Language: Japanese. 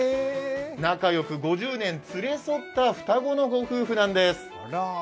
仲よく５０年、連れ添った双子のご夫婦なんです。